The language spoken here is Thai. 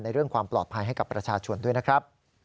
เรื่องความปลอดภัยให้กับประชาชนด้วยนะครับ